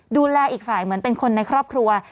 อีกฝ่ายเหมือนเป็นคนในครอบครัว